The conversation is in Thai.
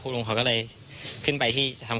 คุณลุงเขาก็เลยขึ้นไปที่